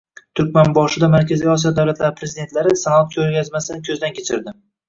Turkmanboshida Markaziy Osiyo davlatlari prezidentlari sanoat ko‘rgazmasini ko‘zdan kechirdi